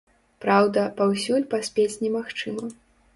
Праўда, паўсюль паспець немагчыма.